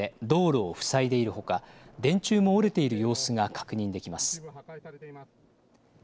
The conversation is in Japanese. お寺の木が倒れて道路を塞いでいるほか電柱も折れている様子が確認できます。